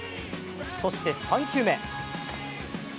そして３球目。